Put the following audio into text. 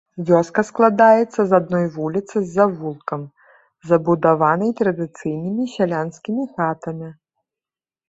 Вёска складаецца з адной вуліцы з завулкам, забудаванай традыцыйнымі сялянскімі хатамі.